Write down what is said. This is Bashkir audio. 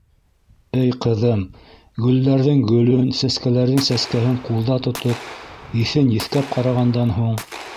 Эй ҡыҙым... гөлдәрҙең гөлөн, сәскәләрҙең сәскәһен ҡулда тотоп, еҫен еҫкәп ҡарағандан һуң...